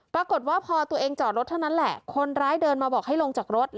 ปรากฏว่าพอตัวเองจอดรถเท่านั้นแหละคนร้ายเดินมาบอกให้ลงจากรถ